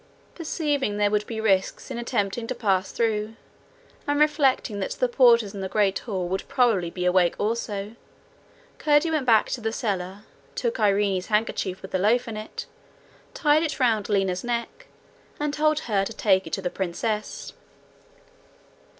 Perceiving there would be risk in attempting to pass through, and reflecting that the porters in the great hall would probably be awake also, Curdie went back to the cellar, took Irene's handkerchief with the loaf in it, tied it round Lina's neck, and told her to take it to the princess.